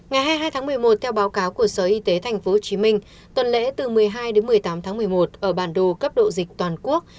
ngày hai mươi hai tháng một mươi một theo báo cáo của sở y tế tp hcm tuần lễ từ một mươi hai đến một mươi tám tháng một mươi một ở bản đồ cấp độ dịch toàn quốc